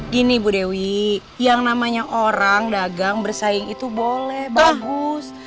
gini bu dewi yang namanya orang dagang bersaing itu boleh bagus